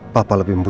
wah orang luar biasa